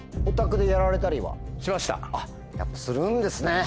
やっぱするんですね。